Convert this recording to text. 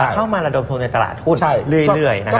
เข้ามาระดมทุนในตลาดหุ้นเรื่อย